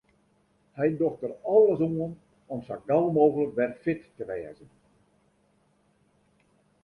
Hy docht der alles oan om sa gau mooglik wer fit te wêzen.